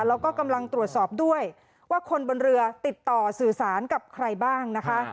แล้วก็กำลังตรวจสอบด้วยว่าคนบนเรือติดต่อสื่อสารกับใครบ้างนะคะ